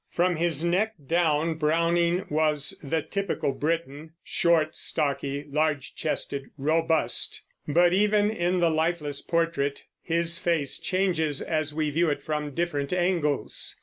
From his neck down, Browning was the typical Briton, short, stocky, large chested, robust; but even in the lifeless portrait his face changes as we view it from different angles.